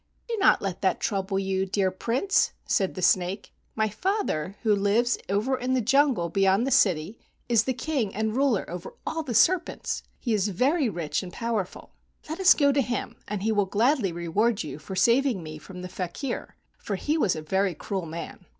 "Do not let that trouble you, dear Prince," said the snake. "My father, who lives over in the jungle beyond the city, is the king and ruler over all the serpents. He is very rich and powerful. Let us go to him, and he will gladly reward you for saving me from the faker, for he was a very cruel man."